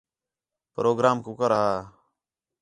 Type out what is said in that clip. پروگرام کُکر ہا؟